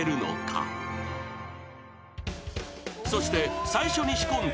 ［そして］